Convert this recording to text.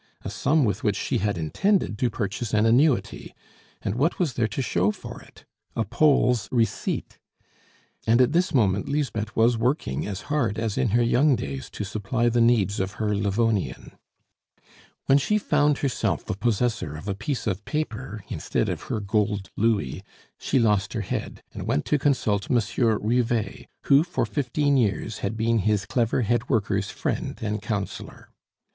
a sum with which she had intended to purchase an annuity; and what was there to show for it? A Pole's receipt! And at this moment Lisbeth was working as hard as in her young days to supply the needs of her Livonian. When she found herself the possessor of a piece of paper instead of her gold louis, she lost her head, and went to consult Monsieur Rivet, who for fifteen years had been his clever head worker's friend and counselor.